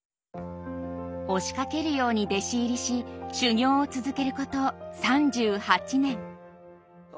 押しかけるように弟子入りし修業を続けること３８年。